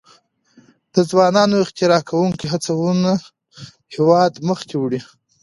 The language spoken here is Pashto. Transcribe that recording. د ځوانو اختراع کوونکو هڅونه هیواد مخکې وړي.